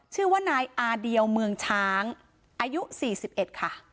ชื่อว่านายอาเดียวเมืองช้างอายุ๔๑ค่ะ